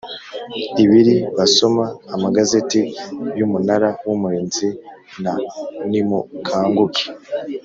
Ibiri basoma amagazeti y umunara w umurinzi na nimukanguke